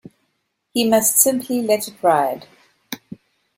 He must simply let it ride.